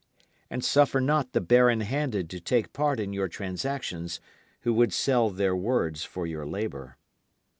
And suffer not the barren handed to take part in your transactions, who would sell their words for your labour.